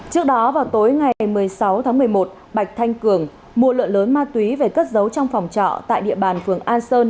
trước đó vào tối ngày một mươi sáu tháng một mươi một bạch thanh cường mua lượng lớn ma túy về cất giấu trong phòng trọ tại địa bàn phường an sơn